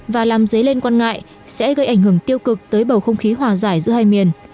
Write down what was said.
và làm dấy lên quan ngại sẽ gây ảnh hưởng tiêu cực tới bầu không khí hòa giải giữa hai miền